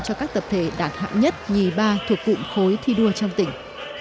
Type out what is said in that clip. cho các tập thể đạt hạng nhất nhì ba thuộc cụm khối thi đua trong tỉnh